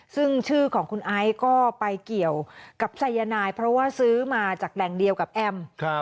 ซึ่งชื่อของคุณไอซ์ก็ไปเกี่ยวกับสายนายเพราะว่าซื้อมาจากแหล่งเดียวกับแอม